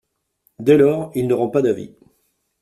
Dès lors, il ne rend pas d’avis.